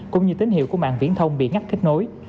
cũng như tín hiệu của mạng viễn thông bị ngắt kết nối